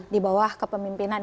di bawah kepemimpinan